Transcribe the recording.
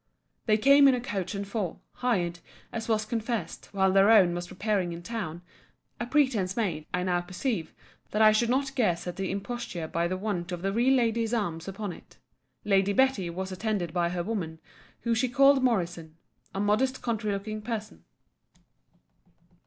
They came in a coach and four, hired, as was confessed, while their own was repairing in town: a pretence made, I now perceive, that I should not guess at the imposture by the want of the real lady's arms upon it. Lady Betty was attended by her woman, who she called Morrison; a modest country looking person.